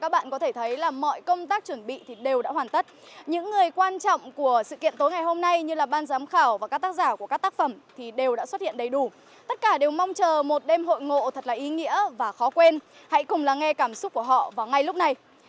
bây giờ một đêm hội ngộ thật là ý nghĩa và khó quên hãy cùng lắng nghe cảm xúc của họ vào ngay lúc này